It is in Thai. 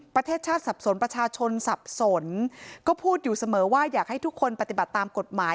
ประเทศชาติสับสนประชาชนสับสนก็พูดอยู่เสมอว่าอยากให้ทุกคนปฏิบัติตามกฎหมาย